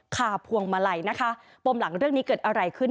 คาพวงมาลัยนะคะปมหลังเรื่องนี้เกิดอะไรขึ้น